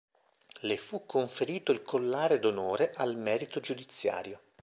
Le fu conferito il Collare d'Onore al merito giudiziario.